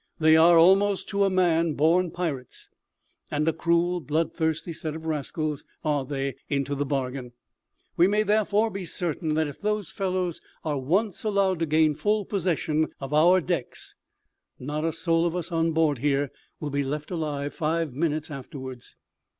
They are, almost to a man, born pirates, and a cruel, bloodthirsty set of rascals are they into the bargain. We may therefore be certain that if those fellows are once allowed to gain full possession of our decks, not a soul of us on board here will be left alive five minutes afterwards.